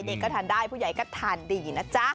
ก็ทานได้ผู้ใหญ่ก็ทานดีนะจ๊ะ